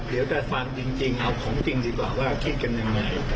เดี๋ยวแต่ความจริงเอาของจริงดีกว่าว่าคิดกันยังไง